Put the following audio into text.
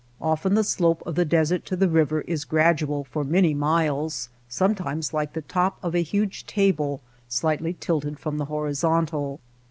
Often the slope of the desert to the river is gradual for many miles — sometimes like the top of a huge table slightly tilted from the horizontal.